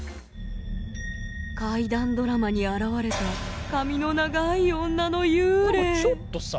怪談ドラマに現れた髪の長い女の幽霊何かちょっとさ